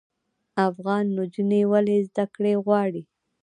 افغان نجونې ولې زده کړې غواړي؟